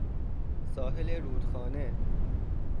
ساحل رودخانه